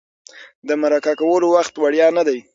د مرکه کولو وخت وړیا نه دی.